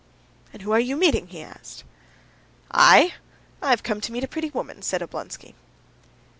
"And whom are you meeting?" he asked. "I? I've come to meet a pretty woman," said Oblonsky.